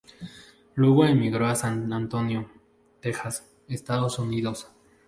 Luego emigró a San Antonio, Texas, en Estados Unidos.